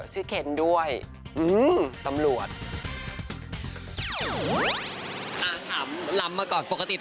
ชื่อเคนด้วย